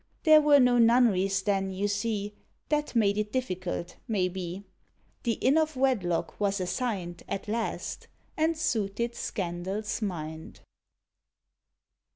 There were no nunneries then, you see: That made it difficult, may be. The inn of Wedlock was assign'd At last, and suited Scandal's mind.